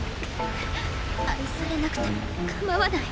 くっ愛されなくてもかまわない。